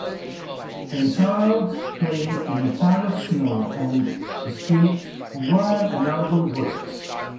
An child playing in a pile of snow on a street while an adult watches.